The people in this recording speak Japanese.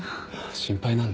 心配なんで。